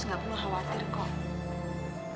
jangan khawatir kok